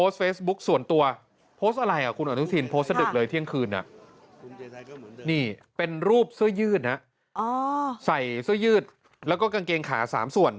ใส่เสื้อยืดแล้วก็กางเกงขา๓ส่วน